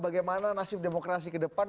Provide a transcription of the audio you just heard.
bagaimana nasib demokrasi kedepan